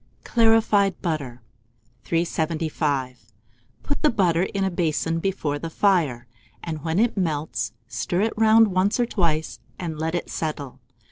CLARIFIED BUTTER. 375. Put the butter in a basin before the fire, and when it melts, stir it round once or twice, and let it settle.